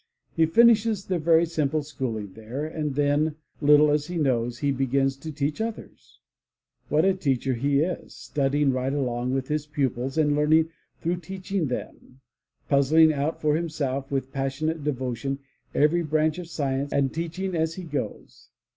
He finishes the very simple schooling there, and then, little as he knows, he begins to teach others. What a teacher he is, studying right along with his pupils and learning through teaching them, puzzling out for himself, with passionate devotion, every branch of science, and teaching as he goes.